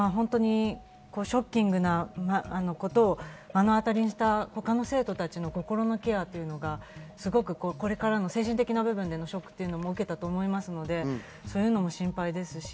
ショッキングなことを目の当たりにした他の生徒たちの心のケアというのが、これからの精神的な部分でのショックも受けたと思うので心配ですし。